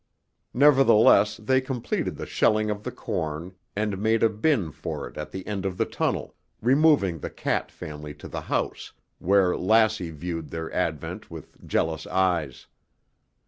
Nevertheless, they completed the shelling of the corn, and made a bin for it at the end of the tunnel, removing the cat family to the house, where Lassie viewed their advent with jealous eyes.